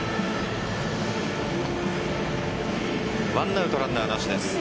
１アウトランナーなしです。